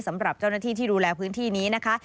สำหรับเจ้าหน้าที่ที่ดูแลพื้นที่นี้นะคะ